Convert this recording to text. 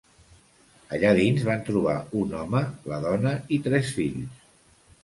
Allà dins van trobar un home, la dona i tres fills.